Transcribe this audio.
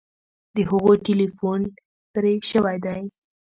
د هغوی ټیلیفون پرې شوی دی